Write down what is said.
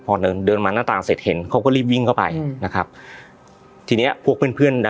พอเดินเดินมาหน้าต่างเสร็จเห็นเขาก็รีบวิ่งเข้าไปอืมนะครับทีเนี้ยพวกเพื่อนเพื่อนนะ